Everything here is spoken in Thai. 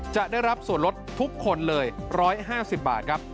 จะได้รับส่วนลดทุกคนเลย๑๕๐บาทครับ